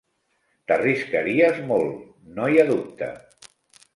T'arriscaries molt, no hi ha dubte.